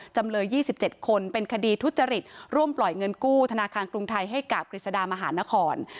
จำเลย๒๗คนเป็นคดีทุจริตร่วมปล่อยเงินกู้ธนาคารกรุงไทยให้กับกฤษฎามหานคร